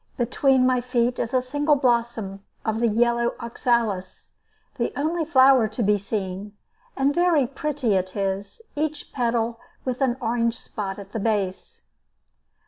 Between my feet is a single blossom of the yellow oxalis, the only flower to be seen; and very pretty it is, each petal with an orange spot at the base.